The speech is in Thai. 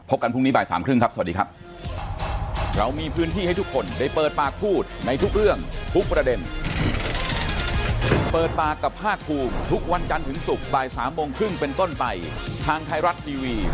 กันพรุ่งนี้บ่ายสามครึ่งครับสวัสดีครับ